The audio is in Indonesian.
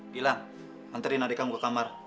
bilang hantarin adikamu ke kamar